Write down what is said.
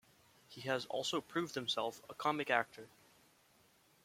He has also proved himself a comic actor.